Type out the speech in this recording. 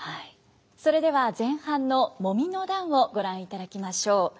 それでは前半の「揉の段」をご覧いただきましょう。